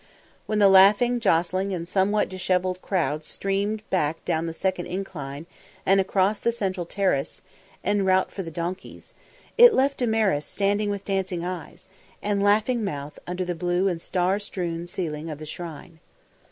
When the laughing, jostling and somewhat dishevelled crowd streamed back down the second incline and across the Central Terrace, en route for the donkeys, it left Damaris standing with dancing eyes, and laughing mouth under the blue and star strewn ceiling of the Shrine.